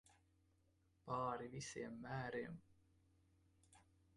Pāri visiem mēriem.